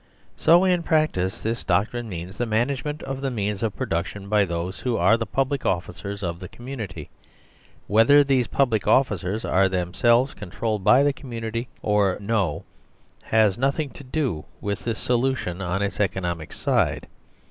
So in practice this doctrine means the management of the means of production by those who are the public officers of the community. Whe ther these public officers are themselves controlled by the community or no has nothing to do with this solution on its economic side.